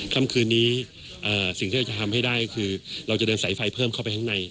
ค่ำคืนนี้สิ่งที่เราจะทำให้ได้ก็คือเราจะเดินสายไฟเพิ่มเข้าไปข้างใน